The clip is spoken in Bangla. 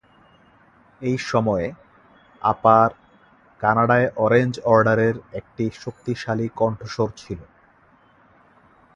এই সময়ে, আপার কানাডায় অরেঞ্জ অর্ডারের একটি শক্তিশালী কণ্ঠস্বর ছিল।